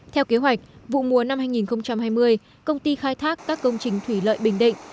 theo kế hoạch vụ mùa năm hai nghìn hai mươi công ty khai thác các công trình thủy lợi bình định